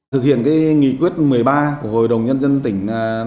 thực hiện nghị quyết một mươi ba của hội đồng nhân dân tỉnh năm hai nghìn một mươi tám